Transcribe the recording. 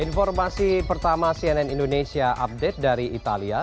informasi pertama cnn indonesia update dari italia